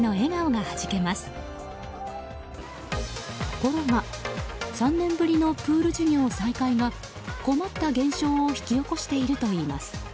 ところが３年ぶりのプール授業再開が困った現象を引き起こしているといいます。